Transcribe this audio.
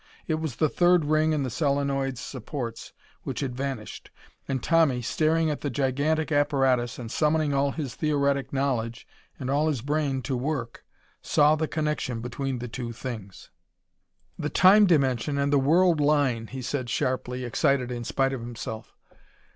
It was the third ring in the solenoid's supports which had vanished. And Tommy, staring at the gigantic apparatus and summoning all his theoretic knowledge and all his brain to work, saw the connection between the two things. "The time dimension and the world line," he said sharply, excited in spite of himself.